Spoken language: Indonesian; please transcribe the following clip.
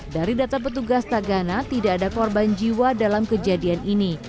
dari data petugas tagana tidak ada korban jiwa dalam kejadian ini